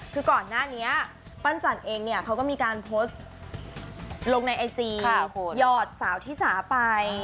คือก่อนหน้านี้ปั้นจันเองเนี่ยเขาก็มีการโพสต์ลงในไอจีหยอดสาวที่สาไป